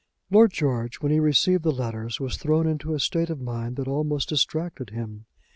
Lord George when he received the letters was thrown into a state of mind that almost distracted him.